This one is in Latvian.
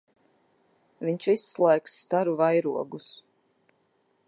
Viņš izslēgs staru vairogus.